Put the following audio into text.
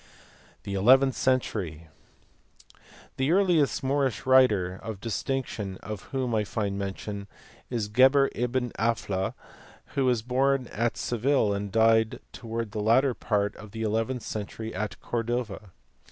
The eleventh century. The earliest Moorish writer of dis tinction of whom I find mention is G eber ibn Aphla, who was born at Seville and died towards the latter part of the eleventh century at Cordova.